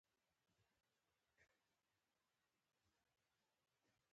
نوموړي امپراتور دې ته وهڅاوه.